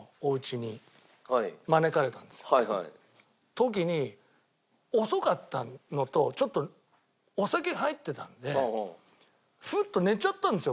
時に遅かったのとちょっとお酒入ってたのでふっと寝ちゃったんですよ